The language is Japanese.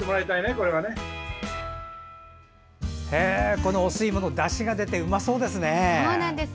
このお吸い物、だしが出てうまそうですね。